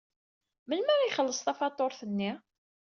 Melmi ara ixelleṣ tafatuṛt-nni?